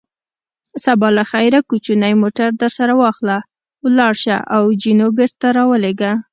سبا له خیره کوچنی موټر درسره واخله، ولاړ شه او جینو بېرته را ولېږه.